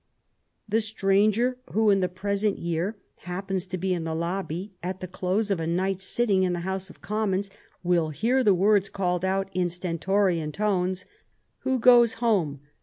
The stranger who in the present year happens to be in the lobby at the close of a night's sitting in the House of Commons will hear the words called out in stentorian tones, " Who goes home